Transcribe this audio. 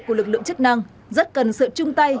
của lực lượng chức năng rất cần sự chung tay